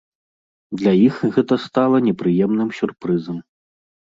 Для іх гэта стала непрыемным сюрпрызам.